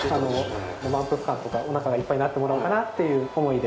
満腹感とか、おなかいっぱいになってもらおうかなという思いで。